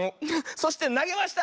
そしてなげました！